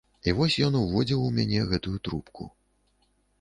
І вось ён уводзіў у мяне гэтую трубку.